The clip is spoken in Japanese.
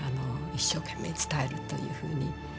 一生懸命伝えるというふうに。